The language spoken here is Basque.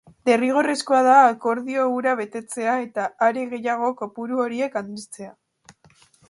Derrigorrezkoa da akordio hura betetzea eta, are gehiago, kopuru horiek handitzea.